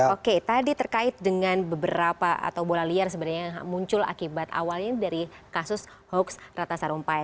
oke tadi terkait dengan beberapa atau bola liar sebenarnya yang muncul akibat awalnya dari kasus hoax ratna sarumpait